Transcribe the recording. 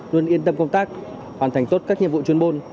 luôn yên tâm công tác hoàn thành tốt các nhiệm vụ chuyên môn